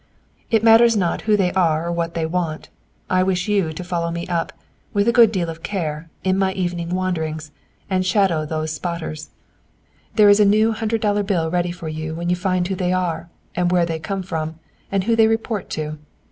"It matters not who they are or what they want. I wish you to follow me up, with a good deal of care, in my evening wanderings, and shadow these spotters. "There is a new hundred dollar bill ready for you when you find who they are, and where they come from, and who they report to.